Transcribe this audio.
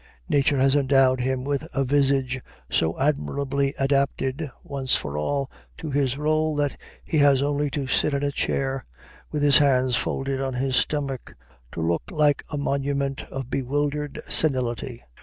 Nature has endowed him with a visage so admirably adapted, once for all, to his rôle, that he has only to sit in a chair, with his hands folded on his stomach, to look like a monument of bewildered senility.